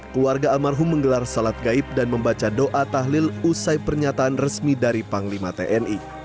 keluarga almarhum menggelar salat gaib dan membaca doa tahlil usai pernyataan resmi dari panglima tni